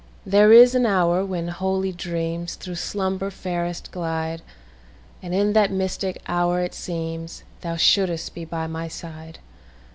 There is an hour when holy dreamsThrough slumber fairest glide; And in that mystic hour it seemsThou shouldst be by my side.